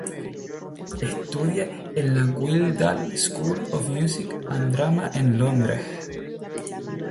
Estudia en la Guildhall School of Music and Drama en Londres.